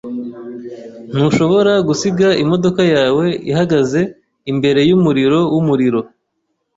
Ntushobora gusiga imodoka yawe ihagaze imbere yumuriro wumuriro.